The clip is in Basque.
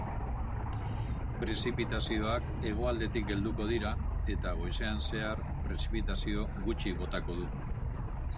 Prezipitazioak hegoaldetik helduko dira eta, goizean zehar prezipitazio gutxi botako du.